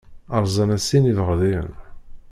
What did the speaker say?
Rẓan-as sin iberḍiyen.